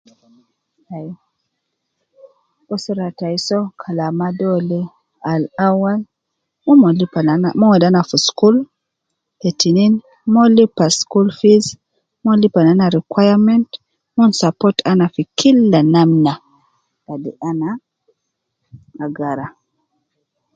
Ai usra tayi so kalama dolde Al awal umon lipa nana mon wedi ana fi school ta tinin umon lipa school fees mon lipa nana requirements umon support ana fi Kila namna ladi ana agara.